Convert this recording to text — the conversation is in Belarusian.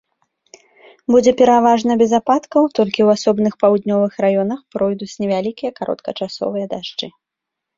Будзе пераважна без ападкаў, толькі ў асобных паўднёвых раёнах пройдуць невялікія кароткачасовыя дажджы.